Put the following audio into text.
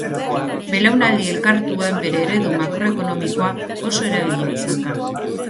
Belaunaldi elkartuen bere eredu makroekonomikoa oso erabilia izan da.